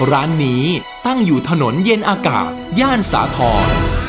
ร้านนี้ตั้งอยู่ถนนเย็นอากาศย่านสาธรณ์